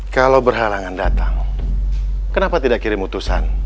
kalau berhalangan datang kenapa tidak kirim utusan